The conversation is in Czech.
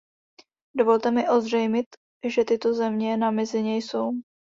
Dovolte mi ozřejmit, že tyto země na mizině jsou.